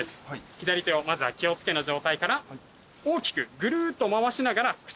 左手をまずは気を付けの状態から大きくぐるっと回しながら口元に持っていきます。